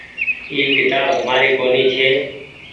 اي ڪيتآب همآري ڪونيٚ ڇي